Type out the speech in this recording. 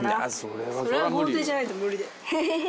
それは豪邸じゃないと無理だよ。